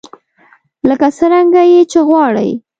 لکه څرنګه يې چې غواړئ.